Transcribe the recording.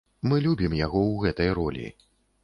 Мы любім яго ў гэтай ролі.